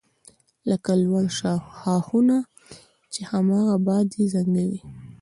لکه لوړ ښاخونه چې هماغه باد یې زنګوي